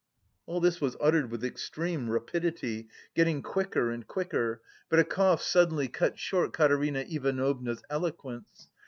All this was uttered with extreme rapidity, getting quicker and quicker, but a cough suddenly cut short Katerina Ivanovna's eloquence.